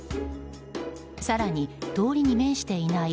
更に、通りに面していない